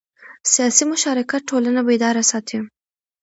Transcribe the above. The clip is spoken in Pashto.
سیاسي مشارکت ټولنه بیداره ساتي